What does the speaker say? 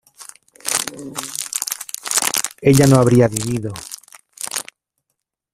ella no habría vivido